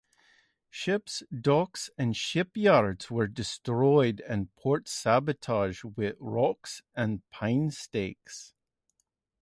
Ships, docks, and shipyards were destroyed and ports sabotaged with rocks and pine stakes.